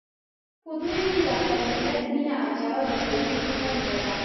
په دوی کې د خپل ملت مینه اچول د ښوونکو دنده ده.